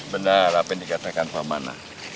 benar apa yang dikatakan pamana